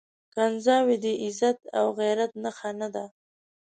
کنځاوي د عزت او غيرت نښه نه ده.